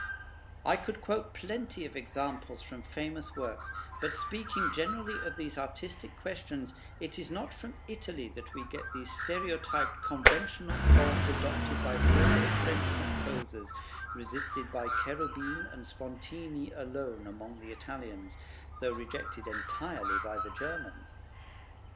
I could quote plenty of examples from famous works; but speaking generally of these artistic questions, is it not from Italy that we get those stereotyped conventional forms adopted by so many French composers, resisted by Cherubim and Spontini alone among the Italians, though rejected entirely by the Germans?